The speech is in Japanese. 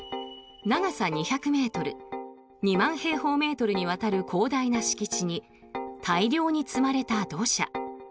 長さ２００ｍ２万平方メートルにわたる広大な敷地に大量に積まれた土砂。